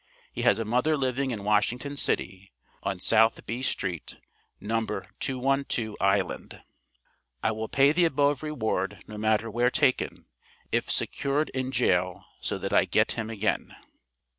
He has a mother living in Washington city, on South B street, No. 212 Island. I will pay the above reward no matter where taken, if secured in jail so that I get him again.